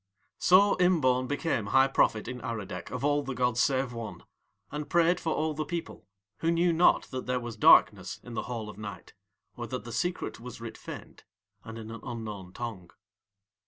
So Imbaun became High Prophet in Aradec of All the gods save One, and prayed for all the people, who knew not that there was darkness in the Hall of Night or that the secret was writ faint and in an unknown tongue.